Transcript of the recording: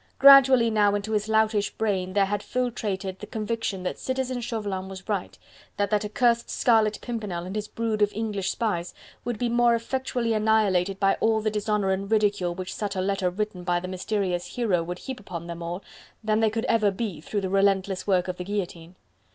Gradually now into his loutish brain there had filtrated the conviction that Citizen Chauvelin was right, that that accursed Scarlet Pimpernel and his brood of English spies would be more effectually annihilated by all the dishonour and ridicule which such a letter written by the mysterious hero would heap upon them all, than they could ever be through the relentless work of the guillotine.